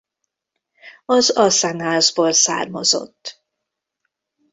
Az Aszen-házból származott.